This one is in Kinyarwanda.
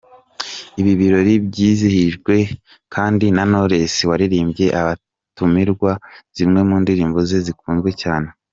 Ibi birori byizihijwe kandi na Knowless waririmbiye abatumirwa zimwe mu ndirimbo ze zikunzwe cyane.